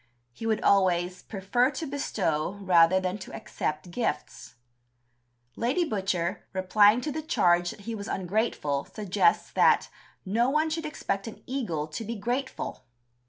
He would always "prefer to bestow rather than to accept gifts." Lady Butcher, replying to the charge that he was ungrateful, suggests that "no one should expect an eagle to be grateful."